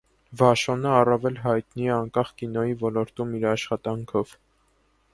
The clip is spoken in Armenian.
Վաշոնը առավել հայտնի է անկախ կինոյի ոլորտում իր աշխատանքով։